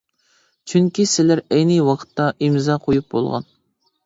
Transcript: چۈنكى سىلەر ئەينى ۋاقىتتا ئىمزا قويۇپ بولغان.